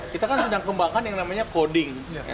kita kan sedang kembangkan yang namanya coding